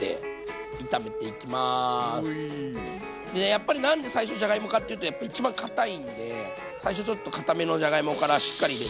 やっぱり何で最初じゃがいもかっていうとやっぱ一番かたいんで最初ちょっとかためのじゃがいもからしっかり入れていきます。